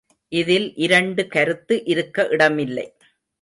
இதில் இரண்டு கருத்து இருக்க இடமில்லை.